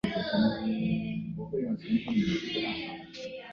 后梁末帝朱友贞的妃子。